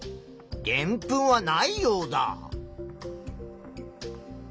でんぷんはないヨウダ。